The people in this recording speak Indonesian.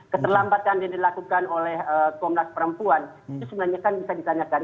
keterlambatan yang dilakukan oleh komnas perempuan itu sebenarnya kan bisa ditanyakan